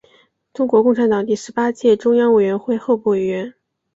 中国共产党第十八届中央委员会候补委员。